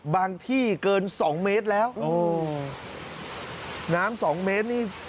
ที่เกินสองเมตรแล้วโอ้น้ำสองเมตรนี่